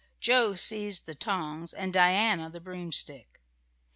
Joe seized the tongs and Diana the broomstick.